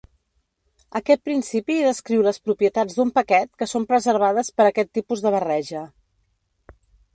Aquest principi descriu les propietats d'un paquet que són preservades per aquest tipus de barreja.